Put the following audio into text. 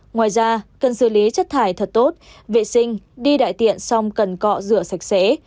ngoài ra cần xử lý chất thải thật tốt vệ sinh đi đại tiện xong cần cọ rửa sạch sẽ